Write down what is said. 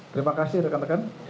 terima kasih rekan rekan